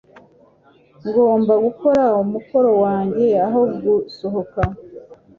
Ngomba gukora umukoro wanjye aho gusohoka.